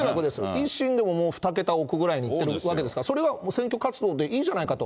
維新でももう２桁億ぐらいいってるわけですから、それは選挙活動でいいじゃないかと。